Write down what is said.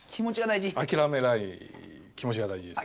あきらめない気持ちが大事です。